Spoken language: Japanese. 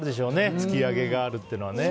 突き上げがあるっていうのはね。